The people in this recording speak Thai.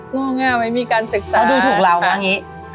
ง่วงง่าไม่มีการศึกษาเขาดูถูกเรามากงี้